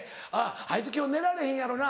「あいつ今日寝られへんやろな」